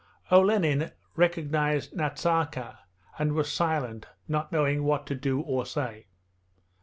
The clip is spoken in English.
Olenin recognized Nazarka, and was silent, not knowing what to do or say.